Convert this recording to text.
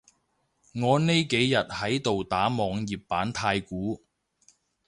我呢幾日喺度打網頁版太鼓